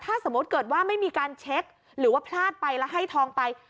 ถ้าสมมุติเกิดว่าไม่มีการเช็คหรือว่าพลาดไปแล้วให้ทองไป